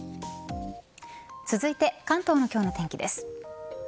続いて、関東の今日の天気です。